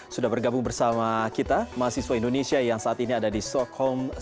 sudah bergabung bersama kita mahasiswa indonesia yang saat ini ada di shockham